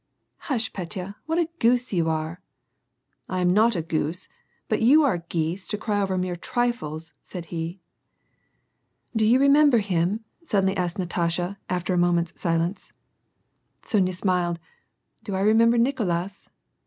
" Hush, Petya ! what a goose you are !"" I am not a goose, but you are geese to cry over mere trifles !" said he. " Do you remember him ?" suddenly asked Natasha, after a moment's silence. Sonya smiled :" Do I remember Nicolas